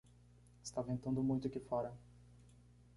Está ventando muito aqui fora.